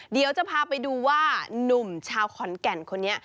เดี๋ยวจะพาไปดูว่านุ่มชาวขอนแก่นคนนี้